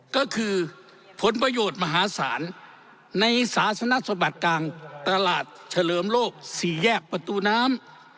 ก็คือผลประโยชน์มหาศาลในศาสนสมบัติกลางตลาดเฉลิมโลก๔แยกประตูน้ำ